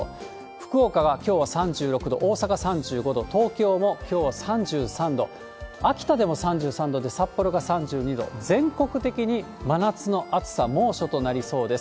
福岡はきょうは３６度、大阪３５度、東京もきょうは３３度、秋田でも３３度で札幌が３２度、全国的に真夏の暑さ、猛暑となりそうです。